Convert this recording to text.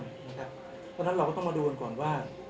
เพราะฉะนั้นเราต้องกดดูก่อนว่า